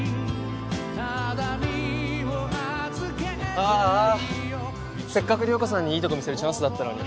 ああせっかく遼子さんにいいとこ見せるチャンスだったのに。